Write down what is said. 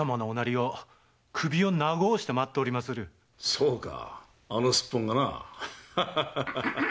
そうかあのスッポンがな。